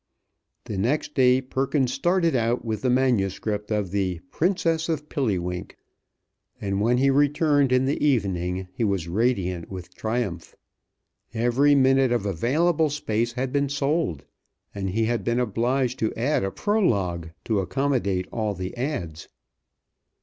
The next day Perkins started out with the manuscript of the "Princess of Pilliwink." And when he returned in the evening he was radiant with triumph. Every minute of available space had been sold, and he had been obliged to add a prologue to accommodate all the ads.